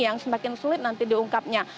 yang semakin sulit nanti diungkapnya